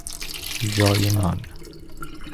جای نان